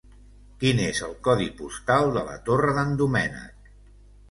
Quin és el codi postal de la Torre d'en Doménec?